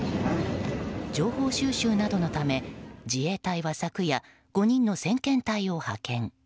情報収集などのため自衛隊は、昨夜５人の先遣隊を派遣。